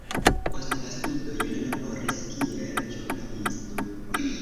Post la studoj li laboris kiel ĵurnalisto.